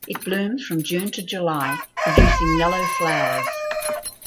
It blooms from June to July producing yellow flowers.